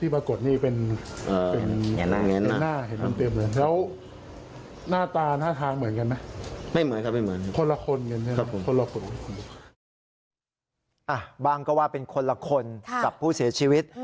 บ้างก็ว่าเป็นคนละคนกับผู้เสียชีวิต